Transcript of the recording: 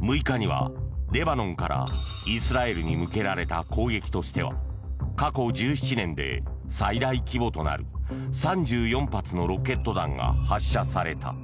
６日にはレバノンからイスラエルに向けられた攻撃としては過去１７年で最大規模となる３４発のロケット弾が発射された。